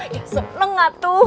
ya seneng mak